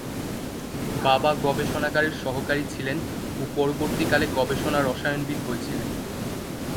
বাবা গবেষণাগারের সহকারী ছিলেন ও পরবর্তীকালে গবেষণা রসায়নবিদ হয়েছিলেন।